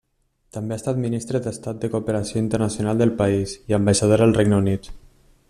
També ha estat Ministre d'Estat de Cooperació Internacional del país i ambaixadora al Regne Unit.